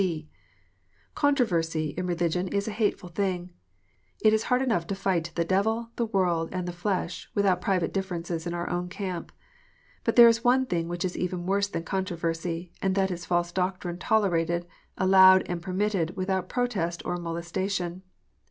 (d) Controversy in religion is a hateful thing. It is hard enough to fight the devil, the worjd, and the flesh, without private differences in our own camp. But there is one thing which is even worse than controversy, and that is false doctrine tolerated, allowed, and permitted without protest or molestation.